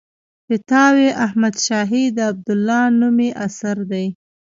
فتاوی احمدشاهي د عبدالله نومي اثر دی.